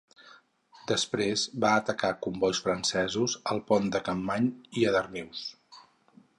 Després va atacar combois francesos al pont de Campmany i a Darnius.